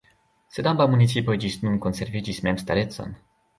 Sed ambaŭ municipoj ĝis nun konserviĝis memstarecon.